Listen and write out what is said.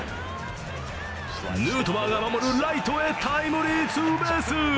ヌートバーが守るライトへタイムリーツーベース。